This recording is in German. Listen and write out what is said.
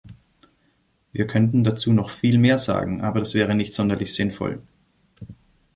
Wir könnten dazu noch viel mehr sagen, aber das wäre nicht sonderlich sinnvoll.